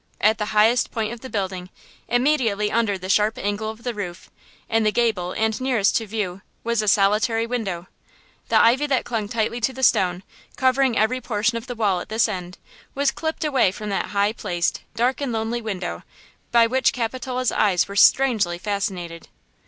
At the highest point of the building, immediately under the sharp angle of the roof, in the gable and nearest to view, was a solitary window. The ivy that clung tightly to the stone, covering every portion of the wall at this end, was clipped away from that high placed, dark and lonely window by which Capitola's eyes were strangely fascinated.